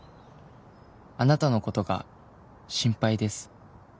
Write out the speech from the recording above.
「あなたのことが心配です」